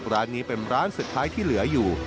ร้านนี้เป็นร้านสุดท้ายที่เหลืออยู่